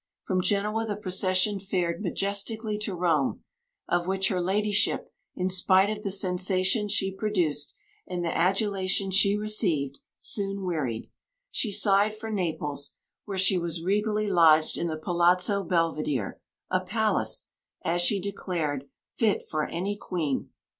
From Genoa the procession fared majestically to Rome, of which her ladyship, in spite of the sensation she produced and the adulation she received, soon wearied; she sighed for Naples, where she was regally lodged in the Palazzo Belvidere, a Palace, as she declared, "fit for any queen."